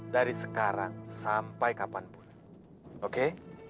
dari sekarang sampai kapanpun oke